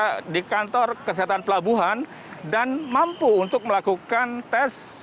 maksud saya di kantor kesehatan pelabuhan dan mampu untuk melakukan tes sebanyak tiga delapan ratus tes per jam